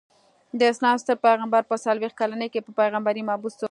د اسلام ستر پيغمبر په څلويښت کلني کي په پيغمبری مبعوث سو.